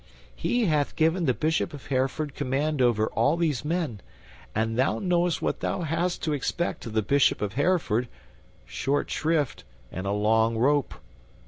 He hath given the Bishop of Hereford command over all these men, and thou knowest what thou hast to expect of the Bishop of Hereford short shrift and a long rope.